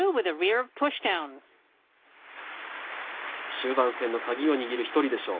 終盤戦の鍵を握る一人でしょう。